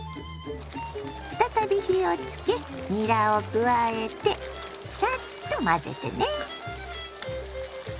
再び火をつけにらを加えてサッと混ぜてね。